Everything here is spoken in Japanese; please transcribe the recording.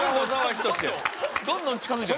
どんどん近付いてる。